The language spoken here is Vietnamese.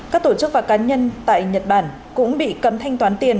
các tổ chức và cá nhân tại nhật bản cũng bị cấm thanh toán tiền